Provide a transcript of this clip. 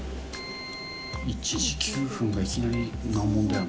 １時９分がいきなり難問だよな。